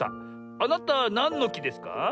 あなたなんのきですか？